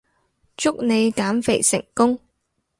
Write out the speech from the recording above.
祝你減肥成功